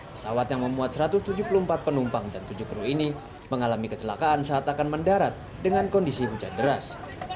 pesawat yang memuat satu ratus tujuh puluh empat penumpang dan tujuh kru ini mengalami kecelakaan saat akan mendarat dengan kondisi hujan deras